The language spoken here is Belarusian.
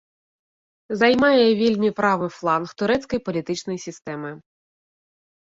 Займае вельмі правы фланг турэцкай палітычнай сістэмы.